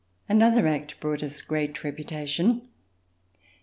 Another act brought us great reputation.